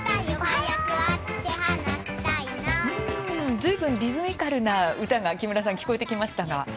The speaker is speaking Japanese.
ずいぶんリズミカルな歌が木村さん、聞こえてきました。